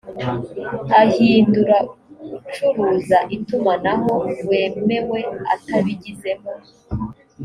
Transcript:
ahindura ucuruza itumanaho wemewe atabigizemo